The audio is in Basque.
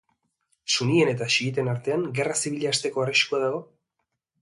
Sunien eta xiiten artean gerra zibila hasteko arriskua dago?